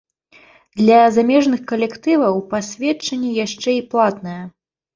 Для замежных калектываў пасведчанне яшчэ і платнае.